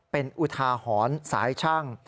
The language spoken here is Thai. เป็นอุทาหอนสายชั่ง